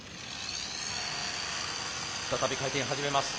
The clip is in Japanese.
再び回転始めます。